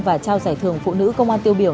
và trao giải thưởng phụ nữ công an tiêu biểu